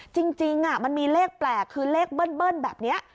จริงมันมีเลขแปลกคือเลขเบิ้ลแบบนี้